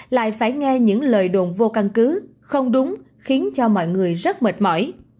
lại phải nghe những lời đồn vô căn cứ không đúng khiến cho mọi người rất mệt mỏi